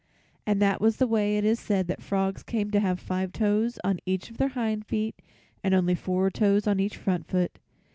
And that was the way it is said frogs came to have five toes on each of their hind feet and only four toes on each front foot.